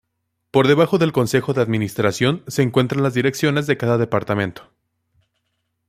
Por debajo del Consejo de Administración se encuentran las direcciones de cada departamento.